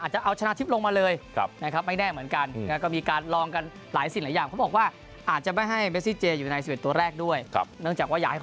อาจจะเอาชนะทิพลงมาเลยไม่แน่เหมือนกันก็มีการลองกันหลายสิ่งหลายอย่าง